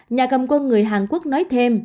nhà cầm quân người hàn quốc nói thêm